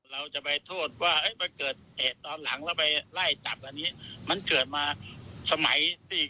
เลือกเรื่องแบบนี้เนี่ย